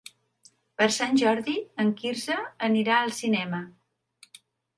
Per Sant Jordi en Quirze anirà al cinema.